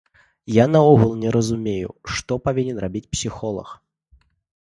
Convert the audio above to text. Я наогул не разумею, што павінен рабіць псіхолаг.